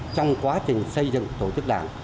trong quá trình xây dựng tổ chức